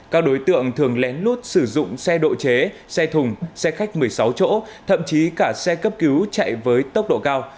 các đối tượng thường lén lút sử dụng xe độ chế xe thùng xe khách một mươi sáu chỗ thậm chí cả xe cấp cứu chạy với tốc độ cao